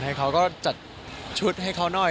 เขาก็จัดชุดให้เขาหน่อย